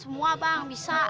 semua bang bisa